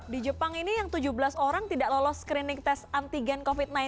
di jepang ini yang tujuh belas orang tidak lolos screening tes antigen covid sembilan belas